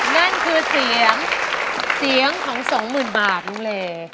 นั่นคือเสียงเสียงของสองหมื่นบาทลุงเล